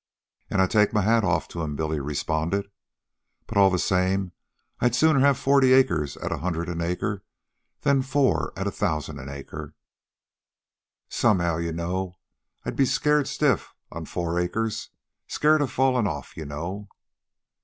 "An' I take my hat off to them," Billy responded. "But all the same, I'd sooner have forty acres at a hundred an acre than four at a thousan' an acre. Somehow, you know, I'd be scared stiff on four acres scared of fallin' off, you know."